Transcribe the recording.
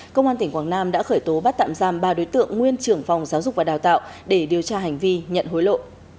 công an tỉnh quảng nam đã khởi tố bắt tạm giam ba đối tượng nguyên trưởng phòng giáo dục và đào tạo để điều tra hành vi nhận hối lộ